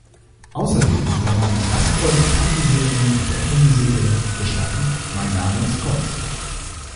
Außerdem übernahm er Gastrollen in Fernsehserien wie der Krimiserie "Gestatten, mein Name ist Cox!